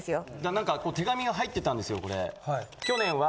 何か手紙が入ってたんですよこれ。